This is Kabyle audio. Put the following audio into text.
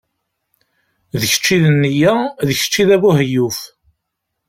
D kečč i d nniya, d kečč i d abuheyyuf.